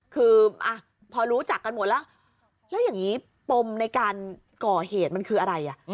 คือพอรู้จักกันหมดแล้วแล้วอย่างนี้ปมในการก่อเหตุมันคืออะไร